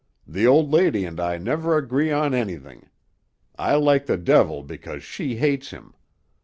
The old lady and I never agree on anything. I like the devil because she hates him.